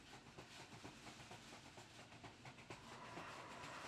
Ambos sacramentos los recibió en la Iglesia Parroquial de San Isidro.